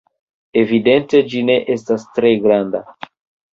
Evidente ĝi ne estas tre granda.